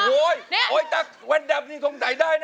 โอ้โฮยตักแว่นดับนี้คงใส่ได้แน่